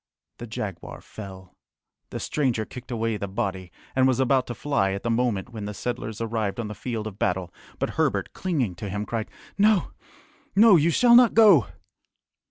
The jaguar fell. The stranger kicked away the body, and was about to fly at the moment when the settlers arrived on the field of battle, but Herbert, clinging to him, cried, "No, no! You shall not go!"